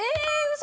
嘘！